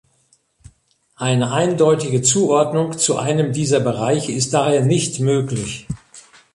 Eine eindeutige Zuordnung zu einem dieser Bereiche ist daher nicht möglich.